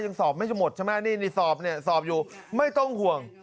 ยังสอบไม่จะหมดนี่สอบอย่าต้องห่วง